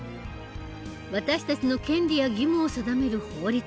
私たちの権利や義務を定める法律。